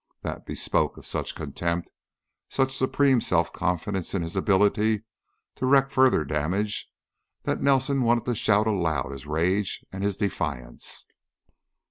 That bespoke such contempt, such supreme self confidence in his ability to wreak further damage, that Nelson wanted to shout aloud his rage and his defiance.